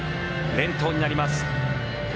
連投になります。